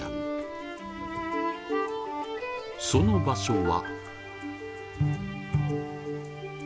その場所は。